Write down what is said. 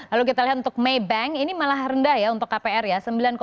lalu kita lihat untuk maybank ini malah rendah ya untuk kpr ya